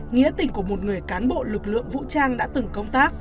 nghĩa tình của một người cán bộ lực lượng vũ trang đã từng công tác